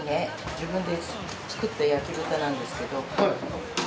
自分で作った焼き豚なんですけど。